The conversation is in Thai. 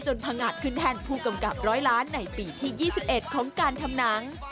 พังงาดขึ้นแทนผู้กำกับ๑๐๐ล้านในปีที่๒๑ของการทำหนัง